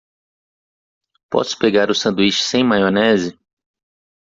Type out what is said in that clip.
Posso pegar o sanduíche sem maionese?